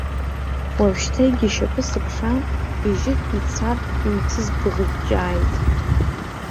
Уажәшьҭа егьи ишьапы сыԥшаан, ижьы ицартә иҩҭызбыӷҷааит.